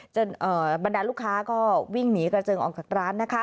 บรรดาลูกค้าก็วิ่งหนีกระเจิงออกจากร้านนะคะ